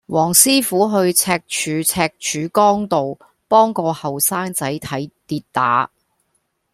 黃師傅去赤柱赤柱崗道幫個後生仔睇跌打